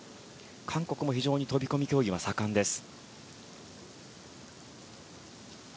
韓国も非常に飛込競技は盛んです。